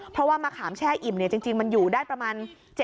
เพราะว่ามะขามแช่อิ่มจริงมันอยู่ได้ประมาณ